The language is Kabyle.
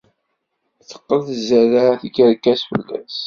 Teqqel tzerreɛ tikerkas fell-as.